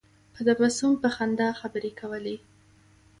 په تبسم په خندا خبرې کولې.